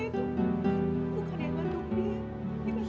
enggak rani tuh yang harus dipercaya